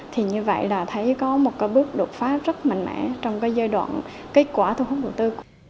thì như vậy là thấy có một cái bước đột phá rất mạnh mẽ trong cái giai đoạn kết quả thu hút đầu tư